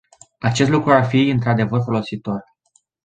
Acest lucru ar fi într-adevăr folositor.